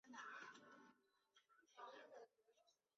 丛花山矾为山矾科山矾属下的一个种。